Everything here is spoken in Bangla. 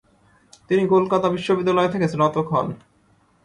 তিনি কলকাতা বিশ্ববিদ্যালয় থেকে স্নাতক হন।